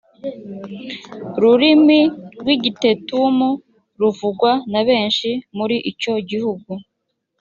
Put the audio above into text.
rurimi rw igitetumu ruvugwa na benshi muri icyo gihugu